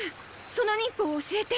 その忍法を教えて。